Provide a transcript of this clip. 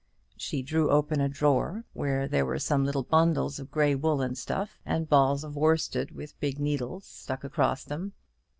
She drew open a drawer, where there were some little bundles of grey woollen stuff, and balls of worsted with big needles stuck across them.